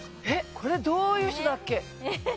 これどういう人だっけ？